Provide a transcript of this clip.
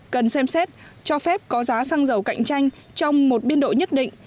cần xem xét cho phép có giá xăng dầu cạnh tranh trong một biên độ nhất định